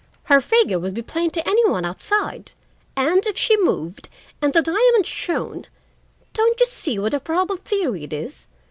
Her figure would be plain to any one outside, and if she moved and the diamond shone—Don't you see what a probable theory it is?